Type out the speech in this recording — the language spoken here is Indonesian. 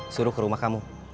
suruh ke rumah kamu